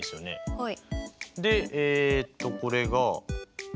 はい。